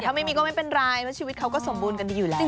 ถ้าไม่มีก็ไม่เป็นไรเพราะชีวิตเขาก็สมบูรณกันดีอยู่แล้ว